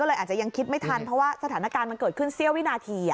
เลยอาจจะยังคิดไม่ทันเพราะว่าสถานการณ์มันเกิดขึ้นเสี้ยววินาที